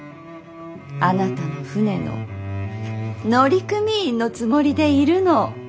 あなたの船の乗組員のつもりでいるの。